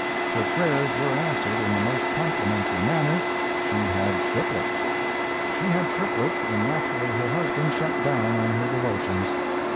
Her prayers were answered in the most complimentary manner—she had triplets. She had triplets, and naturally her husband shut down on her devotions.